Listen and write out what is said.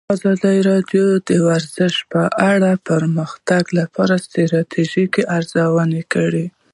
ازادي راډیو د ورزش په اړه د پرمختګ لپاره د ستراتیژۍ ارزونه کړې.